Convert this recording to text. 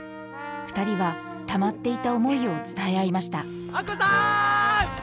２人はたまっていた思いを伝え合いました亜子さん！